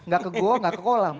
gak ke goa gak ke kolam